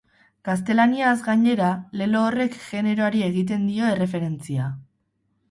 Gaztelaniaz, gainera, lelo horrek generoari egiten dio erreferentzia.